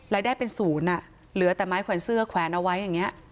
รายได้เป็นศูนย์เหลือแต่ไม้แขวนเสื้อแขวนเอาไว้อย่างนี้